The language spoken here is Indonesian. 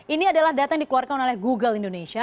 ini adalah data yang dikeluarkan oleh google indonesia